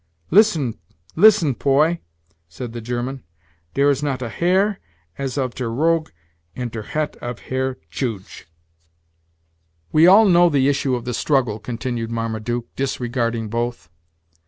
"Listen listen, poy," said the German, "Dere is not a hair as of ter rogue in ter het of Herr Tchooge." "We all know the issue of the struggle," continued Marmaduke, disregarding both.